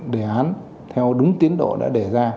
đề án theo đúng tiến độ đã đề ra